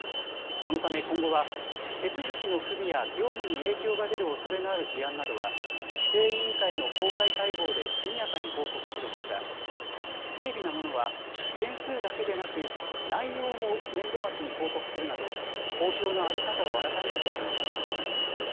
このため今後は手続きの不備や業務に影響が出るおそれのある事案などは既制委員会の公開会合で速やかに報告するほか軽微なものは件数だけでなく内容も年度末に報告するなど公表の在り方を改めることになりました。